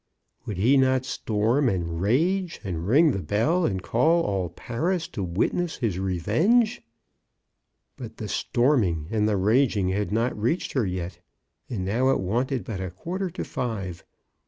Would he not storm and rage, and ring the bell, and call all Paris to witness his revenge? But the storming and the raging had not reached her yet, and now it wanted but a quar ter to five.